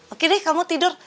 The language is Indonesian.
oke deh kamu tidur